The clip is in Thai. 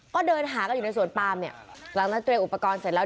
ก็เดินหากันอยู่ในสวนปามเนี่ยหลังจากนั้นเตรียมอุปกรณ์เสร็จแล้ว